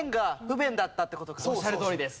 おっしゃるとおりです。